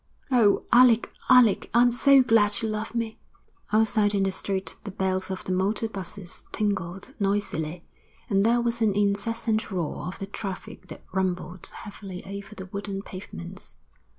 'Oh, Alec, Alec, I'm so glad you love me.' Outside in the street the bells of the motor 'buses tinkled noisily, and there was an incessant roar of the traffic that rumbled heavily over the wooden pavements.